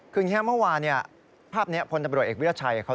คืออย่างนี้เมื่อวานภาพนี้พลตำรวจเอกวิรัชัยเขา